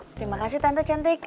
terima kasih tante cantik